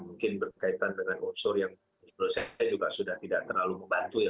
mungkin berkaitan dengan unsur yang menurut saya juga sudah tidak terlalu membantu ya